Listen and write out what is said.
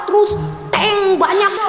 terus tank banyak